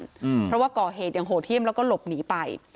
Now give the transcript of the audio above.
เพราะว่าก่อเหตุอย่างโหดเที่ยมแล้วก็หลบหนีไป